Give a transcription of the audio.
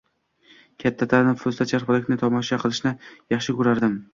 Katta tanafufusda charxpalakni tomosha qilishni yaxshi ko’rardim.